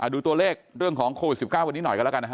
ดูตัวเลขเรื่องของโควิด๑๙